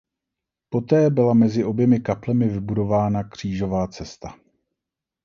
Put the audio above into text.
Poté byla mezi oběma kaplemi vybudována křížová cesta.